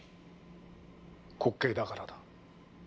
滑稽だからだ。